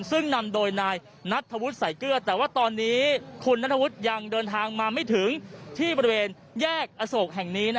ซึ่งนำโดยนายนัทธวุฒิสายเกลือแต่ว่าตอนนี้คุณนัทวุฒิยังเดินทางมาไม่ถึงที่บริเวณแยกอโศกแห่งนี้